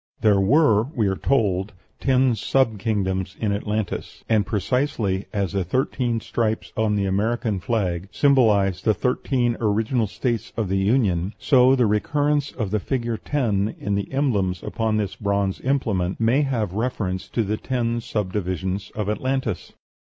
There were, we are told, ten sub kingdoms in Atlantis; and precisely as the thirteen stripes on the American flag symbolize the thirteen original States of the Union, so the recurrence of the figure ten in the emblems upon this bronze implement may have reference to the ten subdivisions of Atlantis.